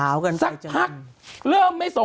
ตัวเองก็ไม่มีปัญญาเลี้ยงลูกเนื่องจากมีลูกในวัยอันไม่พร้อม